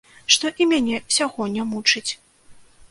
Што і мяне сягоння мучыць.